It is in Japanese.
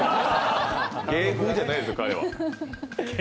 芸風じゃないですよ、彼は。